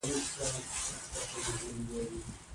نه دا پايله راايستې، چې له ښځې نه د ادلون